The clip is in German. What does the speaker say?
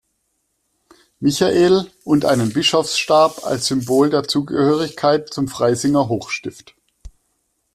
Michael und einen Bischofsstab als Symbol der Zugehörigkeit zum Freisinger Hochstift.